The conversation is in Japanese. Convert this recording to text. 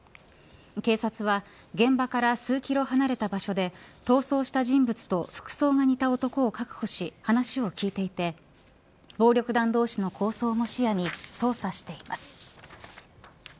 警察は現場から数キロ離れた場所で逃走した人物と服装が似た男を確保し話を聞いていて暴力団同士の抗争も視野に捜査しています。